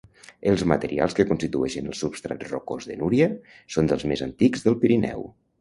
Els materials que constitueixen el substrat rocós de Núria són dels més antics del Pirineu.